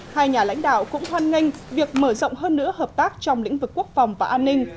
hai nhà lãnh đạo cũng hoan nghênh việc mở rộng hơn nữa hợp tác trong lĩnh vực quốc phòng và an ninh